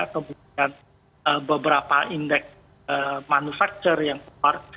kemudian beberapa indeks manufacture yang keluar